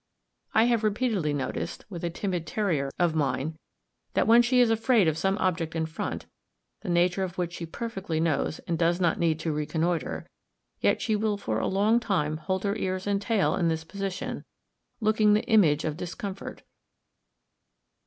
I have repeatedly noticed, with a timid terrier of mine, that when she is afraid of some object in front, the nature of which she perfectly knows and does not need to reconnoitre, yet she will for a long time hold her ears and tail in this position, looking the image of discomfort.